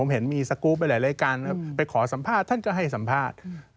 ผมเห็นมีสกรูปไปหลายรายการไปขอสัมภาษณ์ท่านก็ให้สัมภาษณ์